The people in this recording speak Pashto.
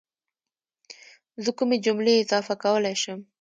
زه کومې جملې اضافه کولای شم